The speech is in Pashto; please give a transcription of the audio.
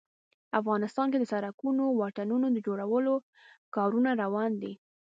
افغانستان کې د سړکونو او واټونو د جوړولو کارونه روان دي